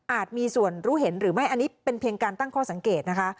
มีส่วนรู้เห็นหรือไม่อันนี้เป็นเพียงการตั้งข้อสังเกตนะคะ